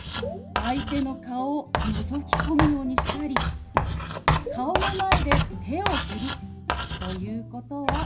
相手の顔をのぞき込むようにしたり顔の前で手を振るということはマナー違反なんです。